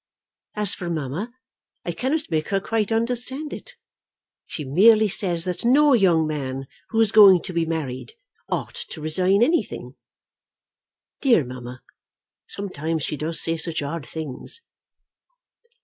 As for mamma, I cannot make her quite understand it. She merely says that no young man who is going to be married ought to resign anything. Dear mamma; sometimes she does say such odd things.